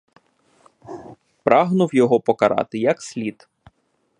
Прагнув його покарати як слід.